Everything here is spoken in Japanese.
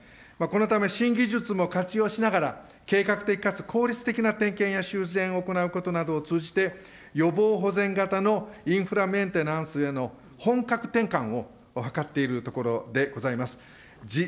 このため、新技術も活用しながら、計画的かつ効率的な点検や修繕を行うことなどを通じて、予防保全型のインフラメンテナンスへの本格転換を図っているところでございます。